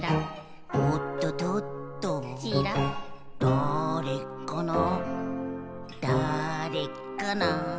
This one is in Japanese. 「だぁれかなだぁれかな」